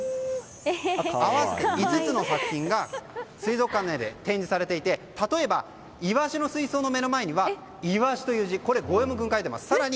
合わせて５つの作品が水族館内で展示されていて例えばイワシの水槽の目の前には鰯という字ゴエモン君が書いています。